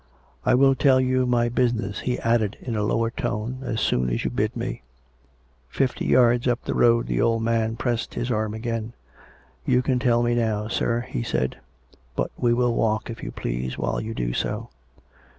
... I will tell you my busi ness," he added in a lower tone, " as soon as you bid me." Fifty yards up the road the old man pressed his arm again. COME RACK! COME ROPE! 297 " You can tell me now, sir," he said. " But we will walk, if you please, while you do so."